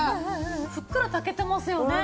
ふっくら炊けてますよね。